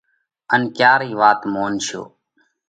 ان ڪيا رئِي وات مونشون؟